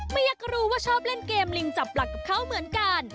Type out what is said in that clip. ไม่อยากรู้ว่าชอบเล่นเกมลิงจับหลักกับเขาเหมือนกัน